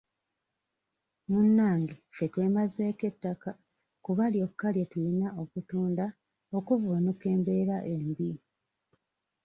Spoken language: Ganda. Munnange ffe twemazeeko ettaka kuba lyokka lye tuyina okutunda okuvvuunuka embeera embi.